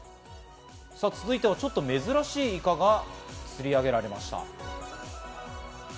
続いては、ちょっと珍しいイカがつり上げられました。